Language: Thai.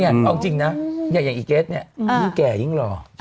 เอาจริงนะอย่างอีเกสเนี่ยยิ่งแก่ยิ่งหล่อ